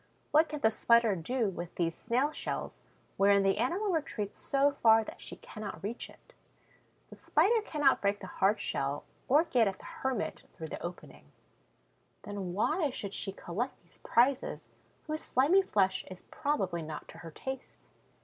What can the Spider do with these snail shells wherein the animal retreats so far that she cannot reach it? The Spider cannot break the hard shell or get at the hermit through the opening. Then why should she collect these prizes, whose slimy flesh is probably not to her taste?